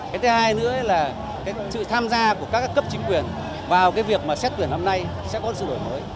cái thứ hai nữa là sự tham gia của các cấp chính quyền vào việc xét tuyển năm nay sẽ có sự đổi mới